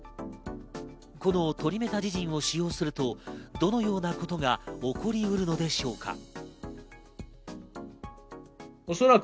このトリメタジジンを使用すると、どのようなことが起こりうるのでしょうか。